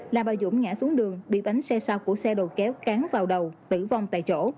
là bà dũng ngã xuống đường bị bánh xe sau của xe đầu kéo cán vào đầu tử vong tại chỗ